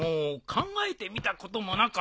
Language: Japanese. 考えてみたこともなかったのう。